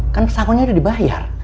kan pesangonnya udah dibayar